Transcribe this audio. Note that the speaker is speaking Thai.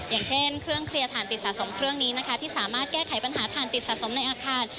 อย่างเช่นเครื่องเคลียร์ฐานติดสะสมเครื่องนี้นะคะที่สามารถแก้ไขปัญหาฐานติดสะสมในอาคาร